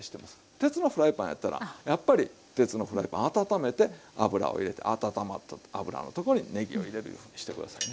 鉄のフライパンやったらやっぱり鉄のフライパン温めて油を入れて温まった油のとこにねぎを入れるいうふうにして下さいね。